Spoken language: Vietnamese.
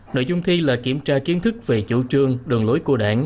nội dung thi là kiểm tra kiến thức về chủ trương đường lối của đảng